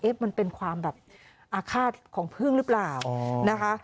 มันเป็นความแบบอาฆาตของพึ่งหรือเปล่านะคะ